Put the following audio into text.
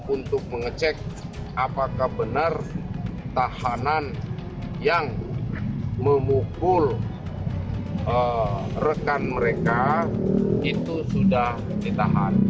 untuk mengecek apakah benar tahanan yang memukul rekan mereka itu sudah ditahan